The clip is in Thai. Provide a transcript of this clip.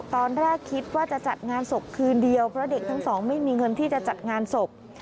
ตอนแรกคิดว่าจะจัดงานศพคืนเดียวเพราะเด็กทั้งสองไม่มีเงินที่จะจัดงานศพ